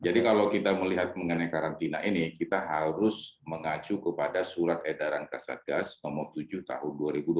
jadi kalau kita melihat mengenai karantina ini kita harus mengacu kepada surat edaran kasat gas nomor tujuh tahun dua ribu dua puluh dua